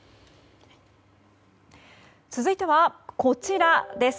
続いてはこちらです。